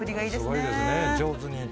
すごいですね